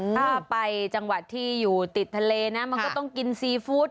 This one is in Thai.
ถ้าไปจังหวัดที่อยู่ติดทะเลนะมันก็ต้องกินซีฟู้ด